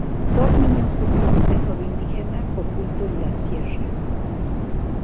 Dos niños buscan un tesoro indígena oculto en las sierras.